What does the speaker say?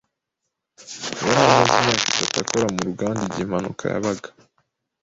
Yari amaze imyaka itatu akora mu ruganda igihe impanuka yabaga.